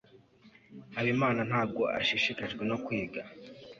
habimana ntabwo ashishikajwe no kwiga